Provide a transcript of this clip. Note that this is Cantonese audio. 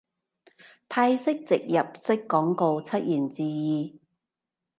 泰式植入式廣告出現注意